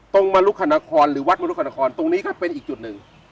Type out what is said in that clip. มรุคณครหรือวัดมรุคนครตรงนี้ก็เป็นอีกจุดหนึ่ง